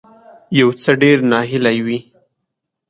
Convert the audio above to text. یو څه ډیر ناهیلی وي